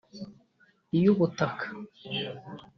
iy’Ubutaka